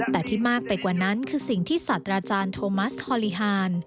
แต่ที่มากไปกว่านั้นคือสิ่งที่สัตว์อาจารย์โทมัสฮอลิฮาน